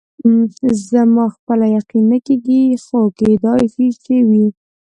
زما خپله یقین نه کېږي، خو کېدای شي چې وي.